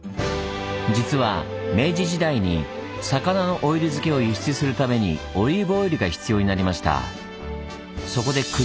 じつは明治時代に魚のオイル漬けを輸出するためにオリーブオイルが必要になりました。